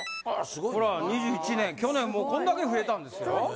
ほら２１年去年もうこんだけ増えたんですよ。